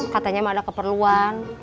katanya nggak ada keperluan